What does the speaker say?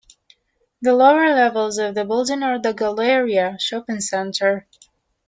The lower levels of the building are the Galleria shopping centre.